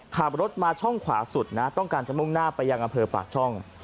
ขับรถมาช่องขวาสุดนะต้องการจะมุ่งหน้าไปยังอำเภอปากช่อง